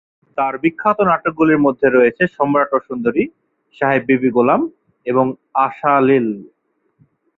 তার বিখ্যাত নাটকগুলির মধ্যে রয়েছে সম্রাট ও সুন্দরী, সাহেব বিবি গোলাম, এবং আশলিল।